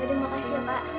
ya udah makasih ya pak